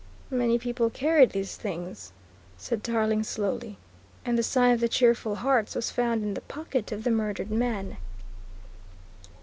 "Many people carried these things," said Tarling slowly, "and the sign of the 'Cheerful Hearts' was found in the pocket of the murdered man."